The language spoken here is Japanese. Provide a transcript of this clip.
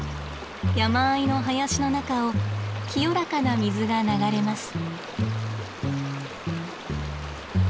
山あいの林の中を清らかな水が流れます。